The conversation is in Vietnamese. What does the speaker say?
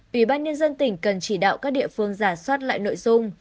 ủy ban nhân dân tỉnh cần chỉ đạo các địa phương giả soát lại nội dung